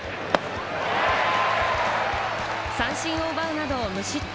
三振を奪うなど無失点。